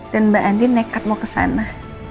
dan mbak andi nekat mau kesana